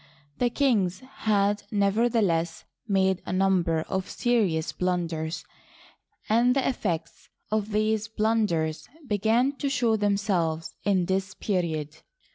The kings had, never theless, made a number of serious blunders, and the effects of these blunders began to show themselves in this pe riod.